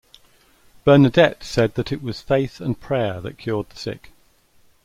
Bernadette said that it was faith and prayer that cured the sick.